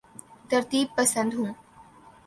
ترتیب پسند ہوں